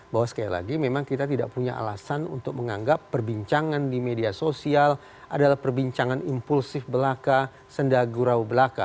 bahwa sekali lagi memang kita tidak punya alasan untuk menganggap perbincangan di media sosial adalah perbincangan impulsif belaka sendagurau belaka